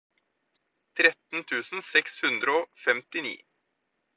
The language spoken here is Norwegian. tretten tusen seks hundre og femtini